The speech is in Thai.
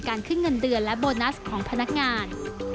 ขึ้นเงินเดือนและโบนัสของพนักงาน